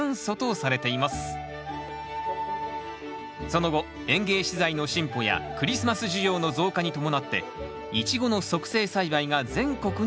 その後園芸資材の進歩やクリスマス需要の増加に伴ってイチゴの促成栽培が全国に普及。